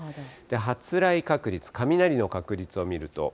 発雷確率、雷の確率を見ると。